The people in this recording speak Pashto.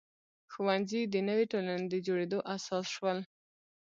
ښوونځي د نوې ټولنې د جوړېدو اساس شول.